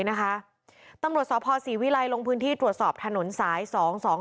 นะคะตำรวจสภศรีวิลัยลงพื้นที่ตรวจสอบถนนสาย๒๒